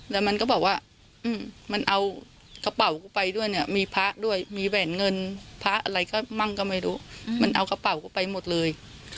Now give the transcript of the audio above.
แล้วมันก็บอกว่ามันเอากระเป๋ากูไปด้วยเนี่ยมีพระด้วยมีแหวนเงินพระอะไรก็มั่งก็ไม่รู้มันเอากระเป๋ากูไปหมดเลย